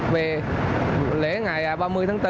về lễ ngày ba mươi tháng bốn